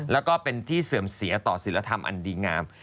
แล้วก็เป็นที่เสื่อมเสียต่อศิลธรรมอันดีงาม